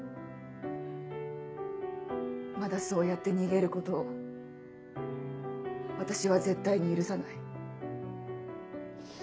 まだそうやって逃げることを私は絶対に許さない。